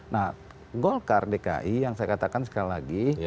nah golkar dki yang saya katakan sekali lagi